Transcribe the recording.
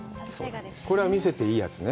これは見せていいやつね？